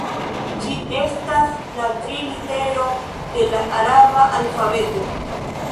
Ĝi estas la tri litero de la araba alfabeto.